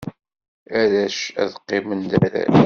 Arrac ad qqimen d arrac.